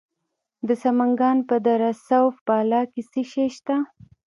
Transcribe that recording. د سمنګان په دره صوف بالا کې څه شی شته؟